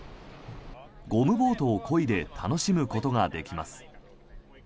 ゴムボートをこいで楽しむことができます。